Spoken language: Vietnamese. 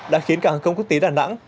đã khiến cả hàng không quốc tế đà nẵng